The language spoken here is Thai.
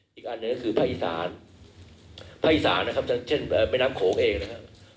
และก็จะมีระดับสูงขึ้นบางส่วนด้วยนะครับ